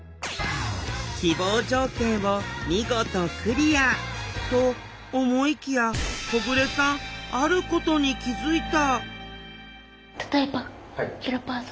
希望条件を見事クリア！と思いきや小暮さんあることに気付いた！